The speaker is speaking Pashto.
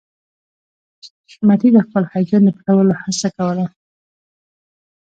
حشمتي د خپل هيجان د پټولو هڅه کوله